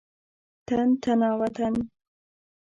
تن تنا وطن.